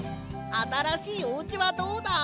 あたらしいおうちはどうだ？